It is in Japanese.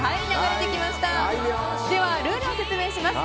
では、ルールを説明します。